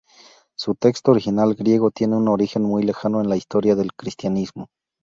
Su texto original griego tiene un origen muy lejano en la historia del cristianismo.